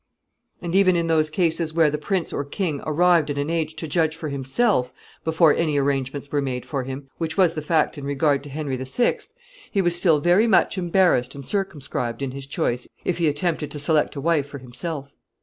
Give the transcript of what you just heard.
] And even in those cases where the prince or king arrived at an age to judge for himself before any arrangements were made for him, which was the fact in regard to Henry VI., he was still very much embarrassed and circumscribed in his choice if he attempted to select a wife for himself.